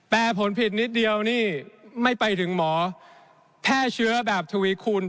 ผลผิดนิดเดียวนี่ไม่ไปถึงหมอแพร่เชื้อแบบทวีคูณ